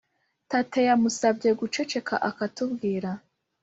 tate yamusabye guceceka akatubwira.